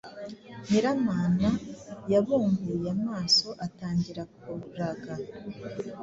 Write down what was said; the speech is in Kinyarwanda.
Nyiramana yabumbuye amaso atangira kuraga